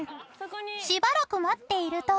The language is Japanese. ［しばらく待っていると］